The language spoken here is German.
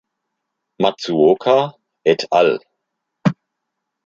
Matsuoka et al.